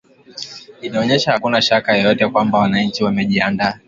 inaonyesha hakuna shaka yoyote kwamba wananchi wamejiandaa